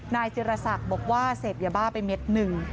นายจิรษักบอกว่าเสพยาบ้าไปเม็ดหนึ่ง